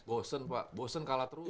bosen pak bosen kalah terus